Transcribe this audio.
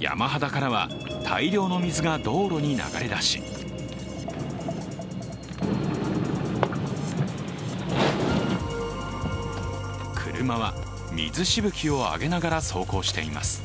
山肌からは大量の水が道路に流れ出し車は水しぶきを上げながら走行しています。